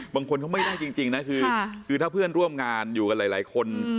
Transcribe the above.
บางคนเขาไม่ได้จริงนะคือถ้าเพื่อนร่วมงานอยู่กันหลายคน